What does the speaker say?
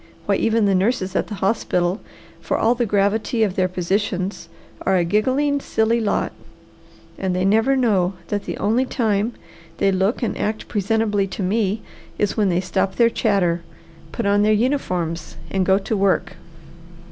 Why even the nurses at the hospital, for all the gravity of their positions, are a giggling, silly lot; and they never know that the only time they look and act presentably to me is when they stop their chatter, put on their uniforms, and go to work.